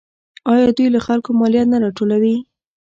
آیا دوی له خلکو مالیه نه راټولوي؟